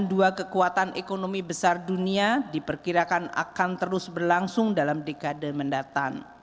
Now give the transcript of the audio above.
dua kekuatan ekonomi besar dunia diperkirakan akan terus berlangsung dalam dekade mendatang